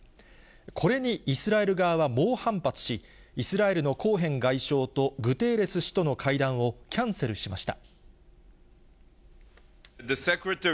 これにイスラエル側は猛反発し、イスラエルのコーヘン外相とグテーレス氏との会談をキャンセルしました。